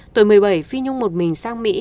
tuổi một mươi bảy phi nhung một mình sang mỹ